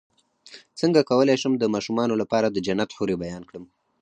څنګه کولی شم د ماشومانو لپاره د جنت حورې بیان کړم